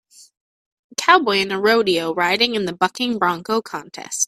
A cowboy in a rodeo riding in the Bucking Bronco contest.